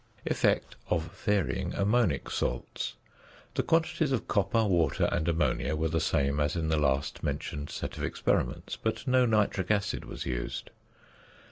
~Effect of Varying Ammonic Salts.~ The quantities of copper, water, and ammonia were the same as in the last mentioned set of experiments, but no nitric acid was used.